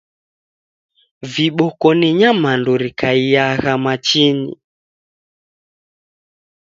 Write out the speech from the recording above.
Viboko ni nyamandu rikaiyagha machinyi